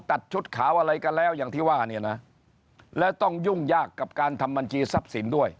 ตัดชุดขาวอะไรกันแล้วอย่างที่ว่าเนี่ยนะแล้วต้องยุ่งยากกับการทำบัญชีทรัพย์สินด้วย